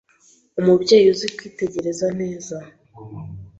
Umubyeyi uzi kwitegereza neza